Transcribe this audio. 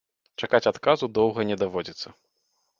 Чакаць адказу доўга не даводзіцца.